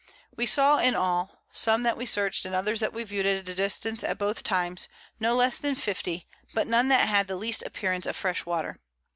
We saw in all (some that we searched and others that we viewed at a Distance, at both times) no less than 50, but none that had the least Appearance of fresh Water.